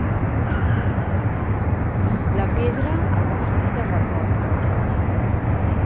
La pedra el va ferir de retop.